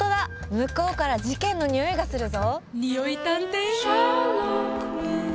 むこうからじけんのにおいがするぞ！